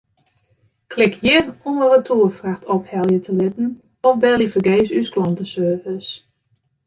Klik hjir om in retoerfracht ophelje te litten of belje fergees ús klanteservice.